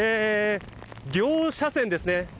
両車線ですね。